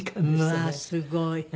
うわーすごい。